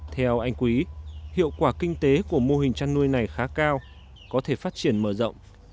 theo anh quý hiệu quả kinh tế của mô hình chăn nuôi này khá cao có thể phát triển mở rộng